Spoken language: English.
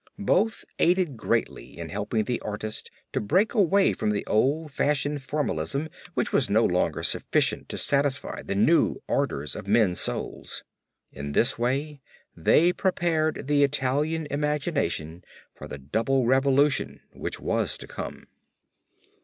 Both aided greatly in helping the artist to break away from the old fashioned formalism which was no longer sufficient to satisfy the new ardors of men's souls. In this way they prepared the Italian imagination for the double revolution which was to come.